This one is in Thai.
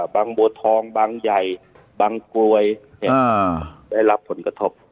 บางบัวทองบางใหญ่บางกรวยได้รับผลกระทบ